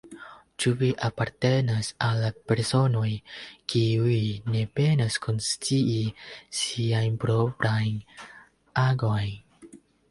Ĉu vi apartenas al la personoj, kiuj ne penas konscii siajn proprajn agojn?